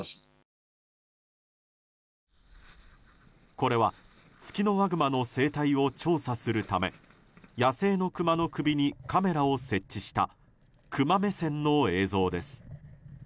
これはツキノワグマの生態を調査するため野生のクマの首に、カメラを設置したクマ目線の映像です。